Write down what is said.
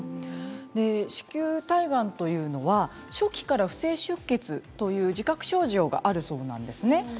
子宮体がんというのは初期から不正出血という自覚症状があるそうなんですね。